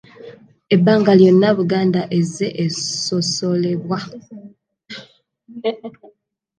Ebbanga lyonna Buganda ezze esosolebwa.